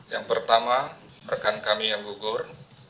yang pertama rekan kami yang gugur